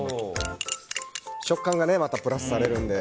食感がまたプラスされるので。